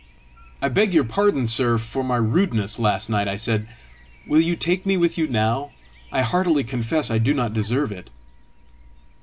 "I beg your pardon, sir, for my rudeness last night," I said. "Will you take me with you now? I heartily confess I do not deserve it."